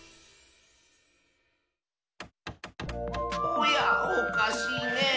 おやおかしいねえ。